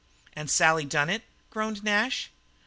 "And Sally done it?" groaned Nash.